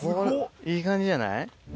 いい感じやない？